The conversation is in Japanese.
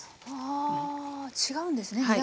はあ違うんですね